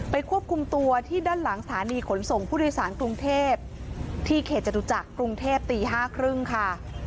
ควบคุมตัวที่ด้านหลังสถานีขนส่งผู้โดยสารกรุงเทพที่เขตจตุจักรกรุงเทพตี๕๓๐ค่ะ